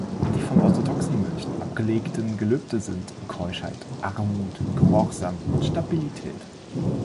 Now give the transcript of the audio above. Die von orthodoxen Mönchen abgelegten Gelübde sind: Keuschheit, Armut, Gehorsam und Stabilität.